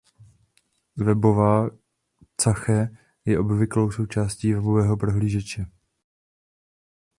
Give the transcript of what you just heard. Webová cache je obvyklou součástí webového prohlížeče.